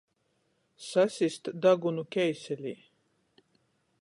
Sasist dagunu keiselī.